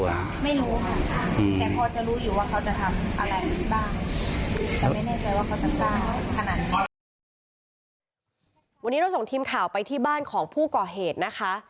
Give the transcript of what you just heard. วันนี้เราส่งทีมข่าวไปที่บ้านของผู้ก่อเหตุนะคะ